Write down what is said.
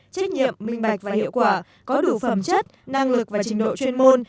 trách nhiệm minh bạch và hiệu quả có đủ phẩm chất năng lực và trình độ chuyên môn